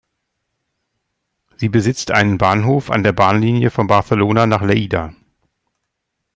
Sie besitzt einen Bahnhof an der Bahnlinie von Barcelona nach Lleida.